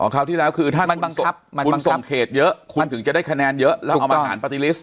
คราวที่แล้วคือถ้าคุณส่งเขตเยอะคุณถึงจะได้คะแนนเยอะแล้วคุณเอาอาหารปาร์ตี้ลิสต